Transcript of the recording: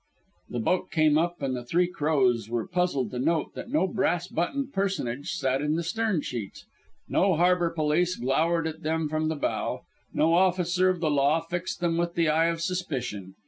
The boat came up and the Three Crows were puzzled to note that no brass buttoned personage sat in the stern sheets, no harbour police glowered at them from the bow, no officer of the law fixed them with the eye of suspicion.